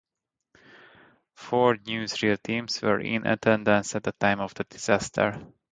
Four newsreel teams were in attendance at the time of the disaster.